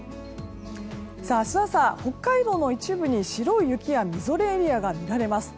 明日朝、北海道の一部に白い雪やみぞれエリアが見られます。